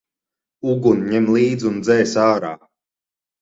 Uguni ņem līdz un dzēs ārā!